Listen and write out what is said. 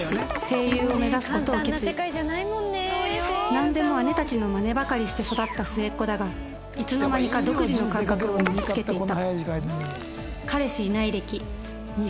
なんでも姉たちのマネばかりして育った末っ子だがいつの間にか独自の感覚を身につけていた